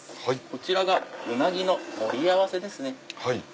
こちらがウナギの盛り合わせですね。